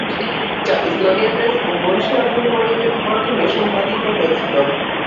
যা ইসলামিয়া প্রেস ও মুন্সী আবদুল করিমের মাধ্যমে সম্পাদিত হয়েছিল।